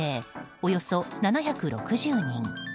およそ７６０人。